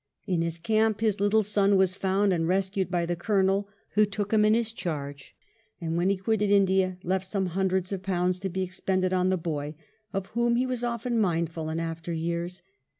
In his camp his little son was found and rescued by the Colonel, who took him in his charge, and when he quitted India left some hundreds of pounds to be expended on the boy, of whom he was often mindful in after years.